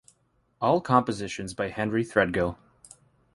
All compositions by Henry Threadgill.